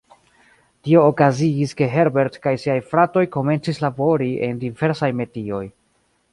Tio okazigis, ke Herbert kaj siaj fratoj komencis labori en diversaj metioj.